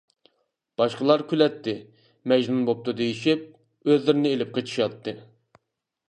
باشقىلار كۈلەتتى، «مەجنۇن بوپتۇ» دېيىشىپ، ئۆزلىرىنى ئېلىپ قېچىشاتتى.